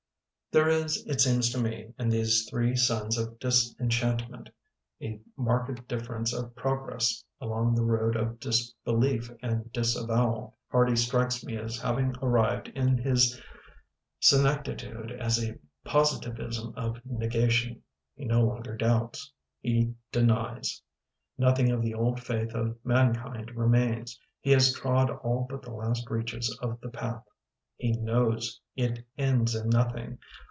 There is, it seems to me, in these three sons of disenchantment, a marked difference of progress along the road of disbelief and disavowal. Hardy strikes me as having arrived in his senectitude at a positivism of ne gation. He no longer doubts. He de nies. Nothing of the old faith of man kind remains. He has trod all but the last reaches of the path. He knows it ends in nothing.